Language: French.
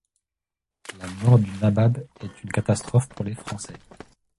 La mort du nabab est une catastrophe pour les Français.